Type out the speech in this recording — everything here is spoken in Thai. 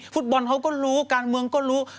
ฟุตบอลเขาก็รู้การเมืองก็รู้